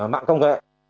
mạng công nghệ